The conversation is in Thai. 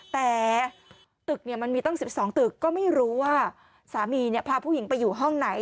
แต่ตึกมันมีตั้ง๑๒ตึกก็ไม่รู้ว่าสามีพาผู้หญิงไปอยู่ห้องไหน